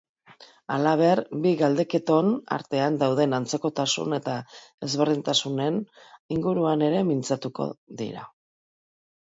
Halaber, bi galdeketon artean dauden antzekotasun eta ezberdintasunen inguruan ere mintzatuko dira.